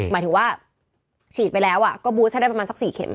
หมายถึงว่าฉีดไปแล้วก็บูสให้ได้ประมาณสัก๔เข็ม